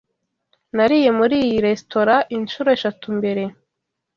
Nariye muri iyi resitora inshuro eshatu mbere.